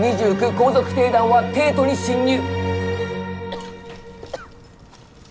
後続梯団は帝都に侵入！